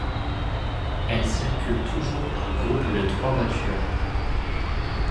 Elles circulent toujours par groupe de trois voitures.